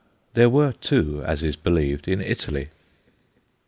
There were two, as is believed, in Italy.